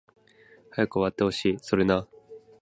早く終わってほしい